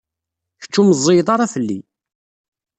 Kečč ur meẓẓiyed ara fell-i.